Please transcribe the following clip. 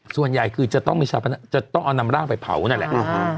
ส่วนใหญ่คือจะต้องมีจะต้องเอานำร่างไปเผานั่นแหละ